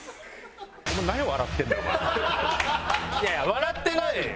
笑ってない。